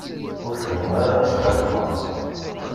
Ur fhimeɣ ara asxertem-a.